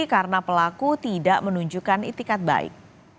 karena pelaku tidak menunjukkan itikat baik